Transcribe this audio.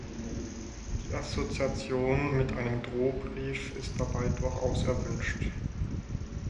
Die Assoziation mit einem Drohbrief ist dabei durchaus erwünscht.